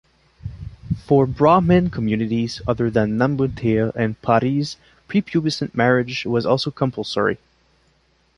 For Brahmin communities, other than Nambuthirs and potties, pre-pubescent marriage was also compulsory.